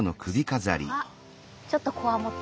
あちょっとこわもて。